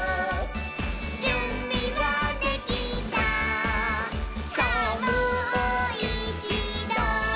「じゅんびはできたさぁもういちど」